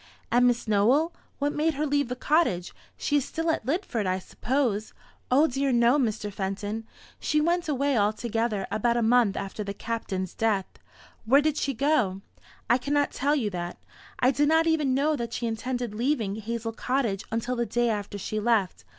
"And Miss Nowell what made her leave the cottage? She is still at Lidford, I suppose?" "O dear no, Mr. Fenton. She went away altogether about a month after the Captain's death." "Where did she go?" "I cannot tell you that, I did not even know that she intended leaving Hazel Cottage until the day after she left.